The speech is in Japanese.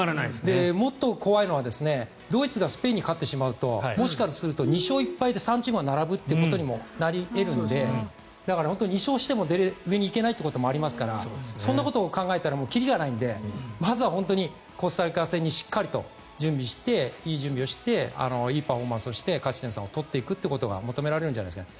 もっと怖いのはドイツがスペインに勝ってしまうともしかすると２勝１敗で３チームが並ぶことにもなり得るのでだから２勝しても上に行けないということもありますのでそんなことも考えたらきりがないのでまずはコスタリカ戦しっかりと準備していい準備をしていいパフォーマンスをして勝ち点３を取っていくことが求められるんじゃないですか。